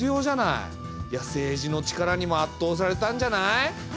いや政治の力にもあっとうされたんじゃない？